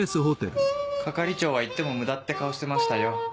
係長は行っても無駄って顔してましたよ。